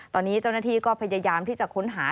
ตอนนี้เจ้าหน้าที่ก็พยายามที่จะค้นหา